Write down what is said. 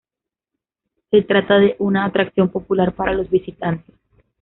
Se trata de una atracción popular para los visitantes.